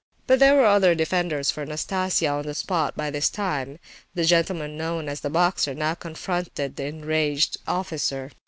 But there were other defenders for Nastasia on the spot by this time. The gentleman known as the "boxer" now confronted the enraged officer.